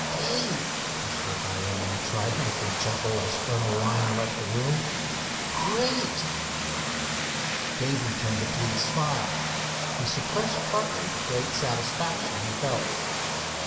"Dave," whispered Hiram in a triumphant chuckle, as Colonel Lyon left the room. "Great!" Dave returned a pleased smile. He suppressed partly the great satisfaction he felt.